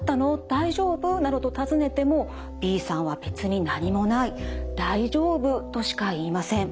大丈夫？」などと尋ねてもＢさんは「別に何もない大丈夫」としか言いません。